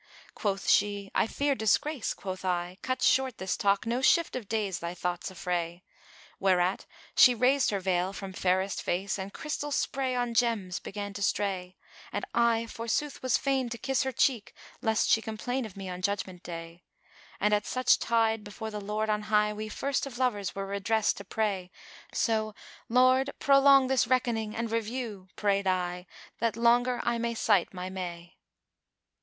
Quoth she, 'I fear disgrace,' quoth I, 'Cut short * This talk, no shift of days thy thoughts affray.' Whereat she raised her veil from fairest face * And crystal spray on gems began to stray: And I forsooth was fain to kiss her cheek, * Lest she complain of me on Judgment Day. And at such tide before the Lord on High * We first of lovers were redress to pray: So 'Lord, prolong this reckoning and review' * (Prayed I) 'that longer I may sight my may.'"